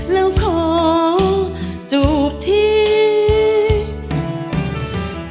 แล้วขอจูบทิ้ง